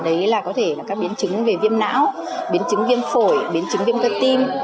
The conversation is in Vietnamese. đấy là có thể là các biến chứng về viêm não biến chứng viêm phổi biến chứng viêm cơ tim